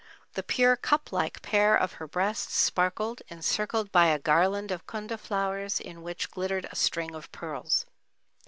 The pure cup like pair of her breasts sparkled, encircled by a garland of Kunda flowers in which glittered a string of pearls.